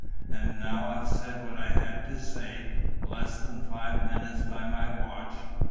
And now I've said what I had to say. Less than five minutes by my watch.